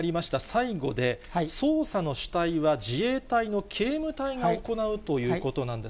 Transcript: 今後、捜査の主体は、自衛隊の警務隊が行うということです。